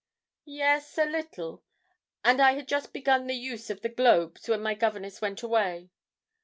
'Yes, a little; and I had just begun the use of the globes when my governess went away.'